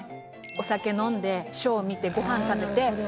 お酒飲んでショー見てご飯食べて。